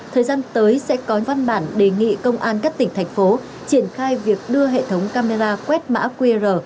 thời gian tới sẽ có văn bản đề nghị công an các tỉnh thành phố triển khai việc đưa hệ thống camera quét mã qr